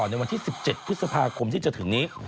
ในวันที่๑๗พฤษภาคมที่จะถึงนี้